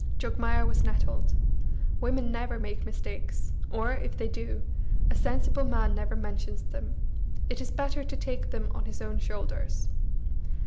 Jogmaya was nettled. Women never make mistakes, or, if they do, a sensible man never mentions them; it is better to take them on his own shoulders.